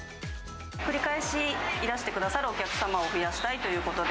繰り返しいらしてくださるお客様を増やしたいということで。